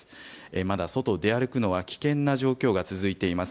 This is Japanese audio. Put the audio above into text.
まだ外を出歩くのは危険な状況が続いています。